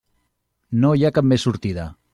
No hi ha cap més sortida.